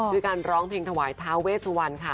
ด้วยการร้องเพลงถวายทาเวสวรรณค่ะ